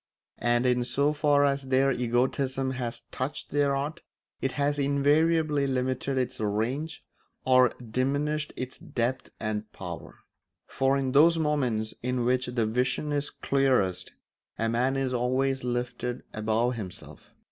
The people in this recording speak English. And in so far as their egotism has touched their art it has invariably limited its range or diminished its depth and power; for in those moments in which the vision is clearest a man is always lifted above himself.